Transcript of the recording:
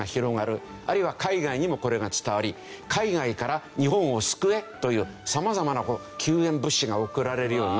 あるいは海外にもこれが伝わり海外から日本を救えというさまざまな救援物資が送られるようになった。